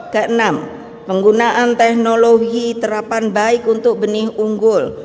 ke enam penggunaan teknologi terapan baik untuk benih unggul